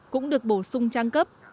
cũng được bổ sung trang cấp